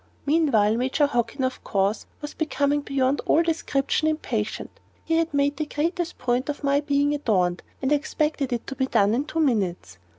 Meanwhile Major Hockin, of course, was becoming beyond all description impatient. He had made the greatest point of my being adorned, and expected it done in two minutes!